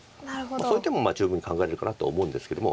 そういう手も十分に考えれるかなと思うんですけども。